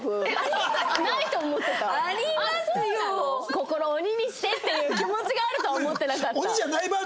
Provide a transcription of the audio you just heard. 心に鬼にしてっていう気持ちがあるとは思ってなかった。